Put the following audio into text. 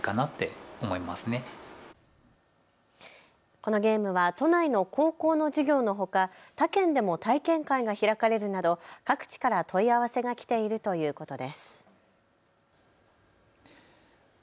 このゲームは都内の高校の授業のほか他県でも体験会が開かれるなど各地から問い合わせがきているということです。